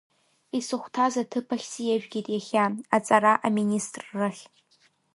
Исыхәҭаз аҭыԥахь сиажәгеит иахьа, аҵара аминистррахь.